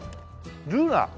ルーナ？